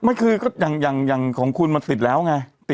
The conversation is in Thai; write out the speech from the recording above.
ไม่คือก็อย่างของคุณมันติดแล้วไง